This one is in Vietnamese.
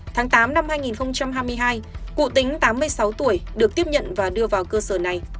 tháng tám năm hai nghìn hai mươi hai cụ tính tám mươi sáu tuổi được tiếp nhận và đưa vào cơ sở này